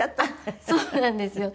そうなんですよ。